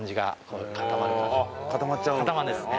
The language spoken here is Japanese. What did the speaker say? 固まっちゃうんですね。